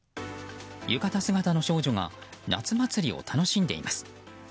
浴衣姿の少女が夏祭りを楽しんでいます。